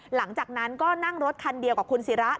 หลังจากนั้นก็นั่งรถคันเดียวกับคุณศิระ